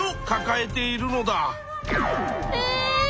え！